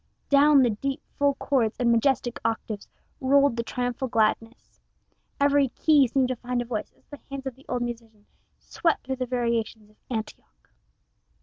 Down the deep, full chords and majestic octaves rolled the triumphal gladness. Every key seemed to find a voice, as the hands of the old musician swept through the variations of "Antioch."